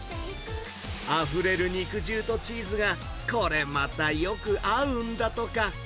あふれる肉汁とチーズが、これまたよく合うんだとか。